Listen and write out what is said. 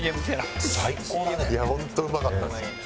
「本当うまかったんですよ」